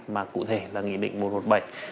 mà cụ thể là nghị định một trăm một mươi bảy